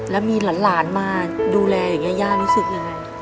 แล้วมีหลานมาดูแลอย่างนี้ย่ารู้สึกยังไง